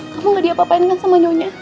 kamu gak diapa apain kan sama nyonya